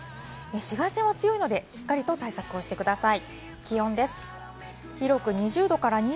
紫外線は強いので、しっかりと対策をしてください。